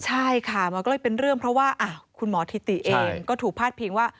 ใช่ค่ะมันก็เลยเป็นเรื่องเพราะว่าคุณหมอทิติเองก็ถูกพาดพิงว่า